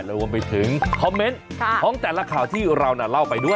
รวมไปถึงคอมเมนต์ของแต่ละข่าวที่เราเล่าไปด้วย